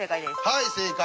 はい正解。